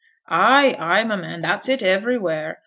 'Ay, ay, my man. That's it everywhere.